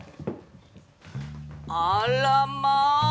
あらまあ！